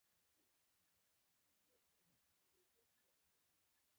که مي زړګي ستا خاطرې ساتي